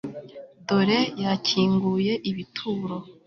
dore yakinguye ibituro